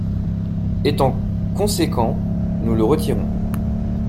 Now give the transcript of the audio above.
Étant conséquents, nous le retirons.